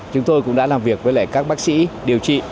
chúng tôi cũng đã làm việc với các bác sĩ điều trị